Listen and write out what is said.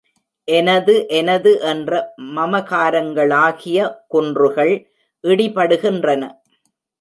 எனது எனது என்ற மமகாரங்களாகிய குன்றுகள் இடிபடுகின்றன.